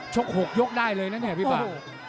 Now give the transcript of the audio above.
๖ยกได้เลยนะเนี่ยพี่ป่า